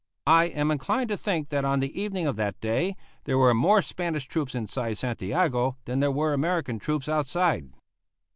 I am inclined to think that on the evening of that day there were more Spanish troops inside Santiago than there were American troops outside.